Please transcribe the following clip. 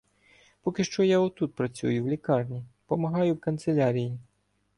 Поки що я отут працюю в лікарні, помагаю в канцелярії.